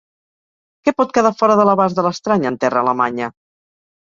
Què pot quedar fora de l'abast de l'estrany en terra alemanya?